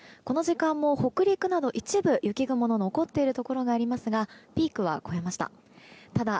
この時間も北陸など一部雪雲の残っているところがありますがピークは越えました。